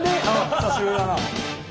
久しぶりだな。